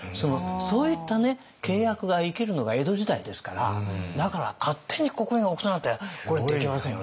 そういったね契約が生きるのが江戸時代ですからだから勝手に刻印を押すなんてこれできませんよね。